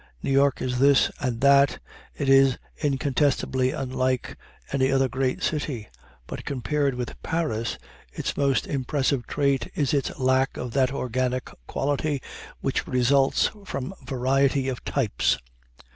New York is this and that, it is incontestably unlike any other great city, but compared with Paris, its most impressive trait is its lack of that organic quality which results from variety of types.